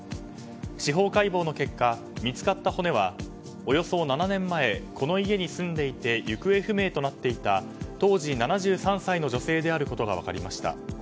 司法解剖の結果、見つかった骨はおよそ７年前この家に住んでいて行方不明となっていた当時７３歳の女性であることが分かりました。